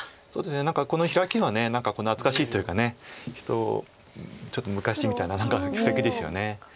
何かこのヒラキは懐かしいというかちょっと昔みたいな布石ですよね。